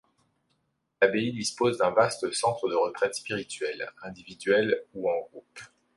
L'abbaye dispose d'un vaste centre de retraites spirituelles, individuelles ou en groupe.